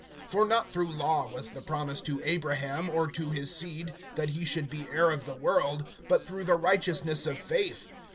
(13)For not through law was the promise to Abraham, or to his seed, that he should be heir of the world, but through the righteousness of faith.